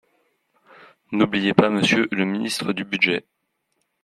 N’oubliez pas Monsieur le ministre du budget